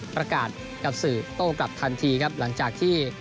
กับสื่อโต้กลับทันทีครับหลังจากที่